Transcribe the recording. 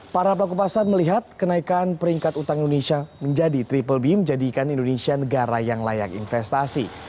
para pelaku pasar melihat kenaikan peringkat utang indonesia menjadi triple b menjadikan indonesia negara yang layak investasi